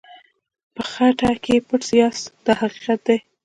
په خټه کې پټ یاست دا حقیقت دی.